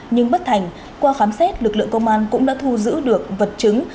nhưng bất thành qua khám xét lực lượng công an cũng đã thu giữ được vật chứng